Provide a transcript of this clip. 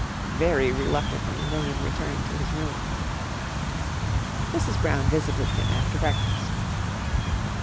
Very reluctantly William returned to his room. Mrs. Brown visited him after breakfast.